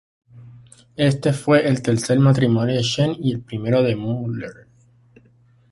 Éste fue el tercer matrimonio de Sheen y el primero de Mueller.